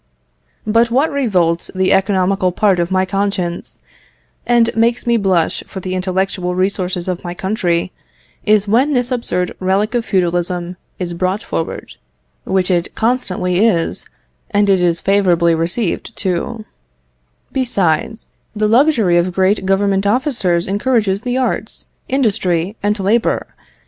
But what revolts the economical part of my conscience, and makes me blush for the intellectual resources of my country, is when this absurd relic of feudalism is brought forward, which it constantly is, and it is favourably received too: "Besides, the luxury of great Government officers encourages the arts, industry, and labour.